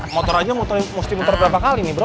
motor aja mesti muter berapa kali nih bro